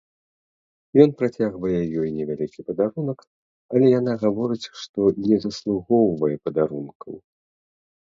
Ён працягвае ёй невялікі падарунак, але яна гаворыць, што не заслугоўвае падарункаў.